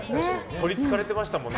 取りつかれてましたもんね